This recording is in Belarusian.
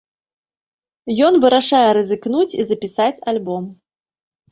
Ён вырашае рызыкнуць і запісаць альбом.